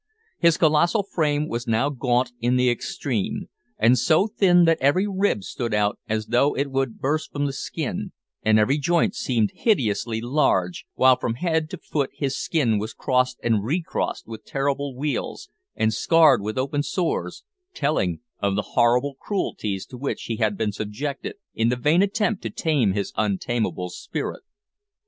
His colossal frame was now gaunt in the extreme, and so thin that every rib stood out as though it would burst the skin, and every joint seemed hideously large, while from head to foot his skin was crossed and recrossed with terrible weals, and scarred with open sores, telling of the horrible cruelties to which he had been subjected in the vain attempt to tame his untameable spirit.